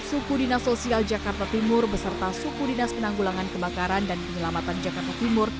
suku dinas sosial jakarta timur beserta suku dinas penanggulangan kebakaran dan penyelamatan jakarta timur